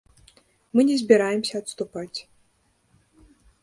Мы не збіраемся адступаць.